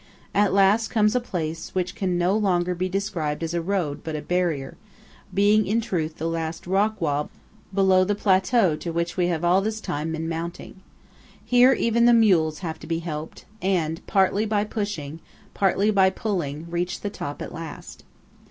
At last comes a place which can no longer be described as a road but a barrier; being in truth the last rock wall below the plateau to which we have all this time been mounting. Here even the mules have to be helped; and, partly by pushing, partly by pulling, reach the top at last.